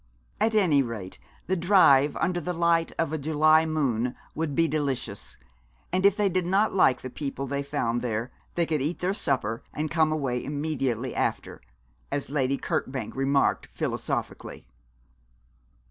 At any rate, the drive under the light of a July moon would be delicious; and if they did not like the people they found there they could eat their supper and come away immediately after, as Lady Kirkbank remarked philosophically.